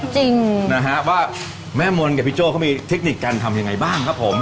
จริงนะฮะว่าแม่มนต์กับพี่โจ้เขามีเทคนิคการทำยังไงบ้างครับผม